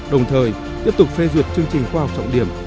đồng thời tiếp tục phê duyệt chương trình khoa học trọng điểm